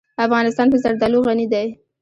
افغانستان په زردالو غني دی.